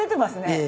ええ。